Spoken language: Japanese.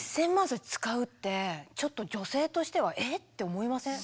それ使うってちょっと女性としては「え？」って思いません？